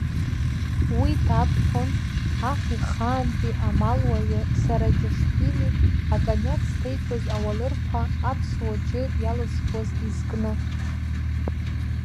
Уи даԥхьон, аҳ ихаантәи амалуаҩы Сараџьашвили, акониак зҭеиҭәоз ауалырқәа аԥсуа џьы иалызхуаз изкны.